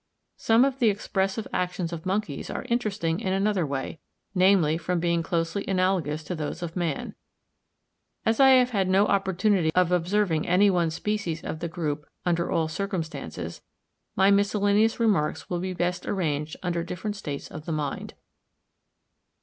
Some of the expressive actions of monkeys are interesting in another way, namely from being closely analogous to those of man. As I have had no opportunity of observing any one species of the group under all circumstances, my miscellaneous remarks will be best arranged under different states of the mind.